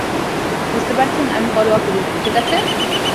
বুঝতে পারছেন - আমি পরোয়া করি না, ঠিক আছে?